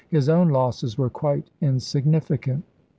His own losses were quite insignificant.